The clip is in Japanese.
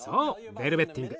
ベルベッティング。